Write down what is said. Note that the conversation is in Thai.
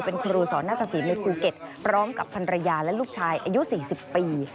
เป็นครูสอนนาตสินในภูเก็ตพร้อมกับพันรยาและลูกชายอายุ๔๐ปี